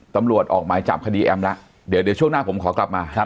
ตำรวจออกมาจับคดีแอมละเดียวช่วงหน้าผมขอกลับมา